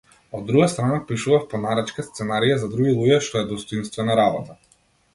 Од друга страна, пишував по нарачка сценарија за други луѓе, што е достоинствена работа.